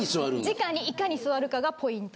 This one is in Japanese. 直にいかに座るかがポイント。